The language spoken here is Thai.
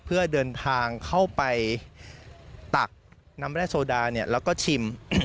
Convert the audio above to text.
เพื่อเดินทางเข้าไปตักน้ำแร่โซดาแล้วก็ชิม